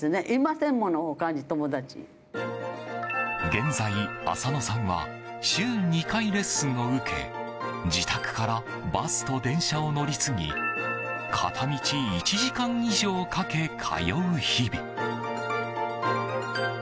現在、浅野さんは週２回レッスンを受け自宅からバスと電車を乗り継ぎ片道１時間以上かけ通う日々。